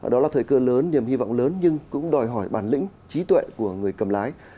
đó là thời cơ lớn niềm hy vọng lớn nhưng cũng đòi hỏi bản lĩnh trí tuệ của người cầm lái